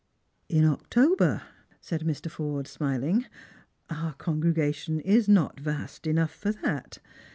" In October ?" said Mr. Forde, smiling. "Our congregation is not vast enough for that."